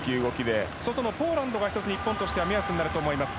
外のポーランドが１つ日本としては目安になると思います。